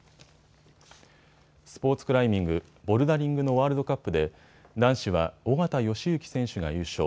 スポーツクライミング、ボルダリングのワールドカップで男子は緒方良行選手が優勝。